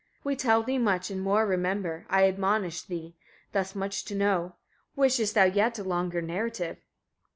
34. We tell thee much, and more remember, I admonish thee thus much to know. Wishest thou yet a longer narrative?